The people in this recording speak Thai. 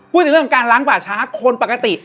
พูดถึงเรื่องการล้างป่าช้าคนปกติ